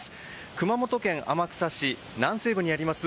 熊本県天草市南西部にあります